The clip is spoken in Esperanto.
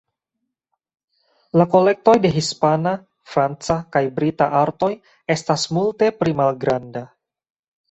La kolektoj de hispana, franca kaj brita artoj estas multe pli malgranda.